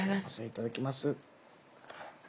いただきます。